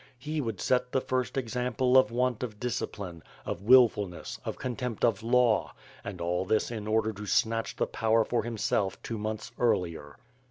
He would set the first example of want of discipline, of wil fulness, of contempt of law, and all this in order to snatch the power for himself two months earlier.